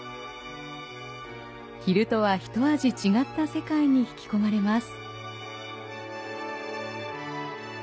昼とはひと味違った世界に引き込まれます。